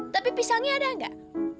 tapi pisangnya ada gak